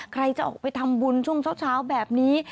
ใครจะออกไปทำบุญช่วงเช้าแบบนี้